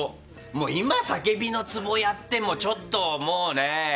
今、叫びの壺をやってもちょっともうね。